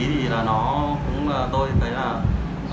thì nó cũng tôi thấy là